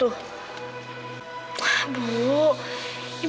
ada ben agcribing